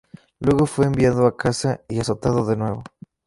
Luego fue enviado a casa y azotado de nuevo.